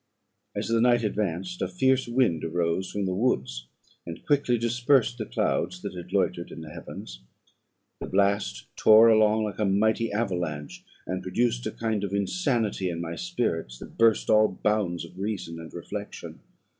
"As the night advanced, a fierce wind arose from the woods, and quickly dispersed the clouds that had loitered in the heavens: the blast tore along like a mighty avalanche, and produced a kind of insanity in my spirits, that burst all bounds of reason and reflection.